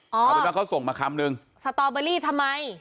อ๋อเพราะฉะนั้นเขาส่งมาคำหนึ่งสตอเบอร์รี่ทำไม